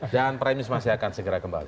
dan premis masih akan segera kembali